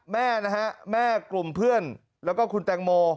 แม่นะฮะแม่กลุ่มเพื่อนแล้วก็คุณแตงโม